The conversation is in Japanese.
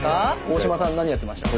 大島さん何やってました？